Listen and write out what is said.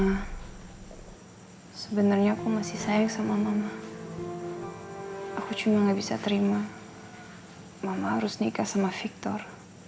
karena sebenarnya aku masih sayang sama mama aku cuma gak bisa terima mama harus nikah sama victor